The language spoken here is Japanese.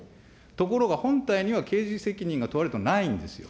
ところが、本体には刑事責任が問われたのはないんですよ。